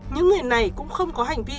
những người này cũng không có hành vi